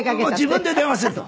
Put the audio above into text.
「自分で電話する」と。